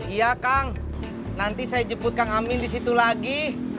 iya kang nanti saya jemput kang amin di situ lagi